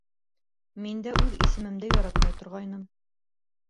Мин дә үҙ исемемде яратмай торғайным.